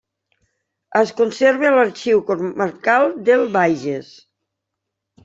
Es conserva a l'Arxiu Comarcal del Bages.